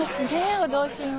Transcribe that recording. お同心は。